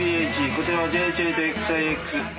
こちらはＪＨ８ＸＩＸ。